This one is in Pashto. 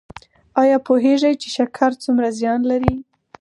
ایا پوهیږئ چې شکر څومره زیان لري؟